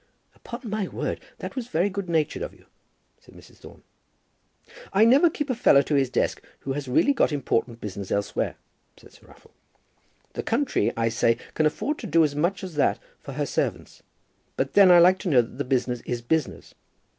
"Upon my word that was very good natured of you," said Mrs. Thorne. "I never keep a fellow to his desk who has really got important business elsewhere," said Sir Raffle. "The country, I say, can afford to do as much as that for her servants. But then I like to know that the business is business.